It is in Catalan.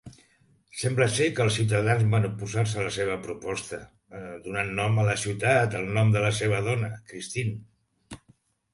Sembla ser que els ciutadans van oposar-se a la seva proposta, donant nom a la ciutat el nom de la seva dona, Kristine.